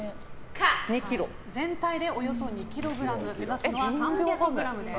全体でおよそ２ｋｇ目指すのは３００ｇです。